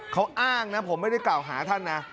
เขาอ้างนะผมไม่ได้กล่าวหาท่านนะ